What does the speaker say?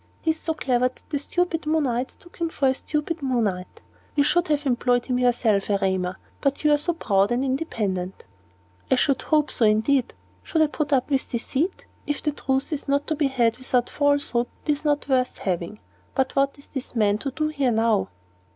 He is so clever that the stupid Moonites took him for a stupid Moonite. You should have employed him yourself, Erema; but you are so proud and independent." "I should hope so, indeed. Should I put up with deceit? If the truth is not to be had without falsehood, it is not worth having. But what is this man to do here now?"